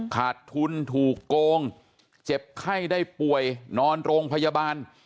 ขาดทุนถูกโกงเจ็บไข้ได้ป่วยนอนโรงพยาบาล